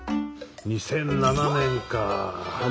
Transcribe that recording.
２００７年かあ。